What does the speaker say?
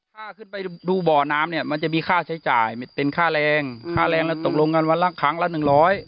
ถ้าขึ้นไปดูบ่อน้ำเนี่ยมันจะมีค่าใช้จ่ายเป็นค่าแรงค่าแรงแล้วตกลงกันวันละครั้งละหนึ่งร้อย